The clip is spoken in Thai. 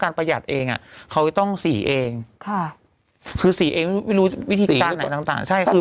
ด้านสมมติก็บอกว่าเราขับรถมาจากเท้าใหญ่จากผลิตภาพใช่ไหม